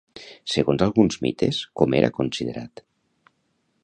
Segons alguns mites, com era considerat?